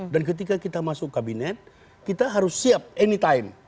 dan ketika kita masuk kabinet kita harus siap anytime